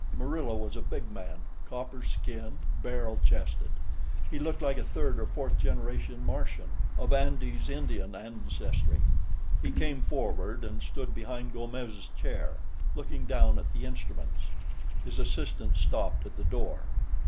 Murillo was a big man, copper skinned, barrel chested; he looked like a third or fourth generation Martian, of Andes Indian ancestry. He came forward and stood behind Gomes' chair, looking down at the instruments. His assistant stopped at the door.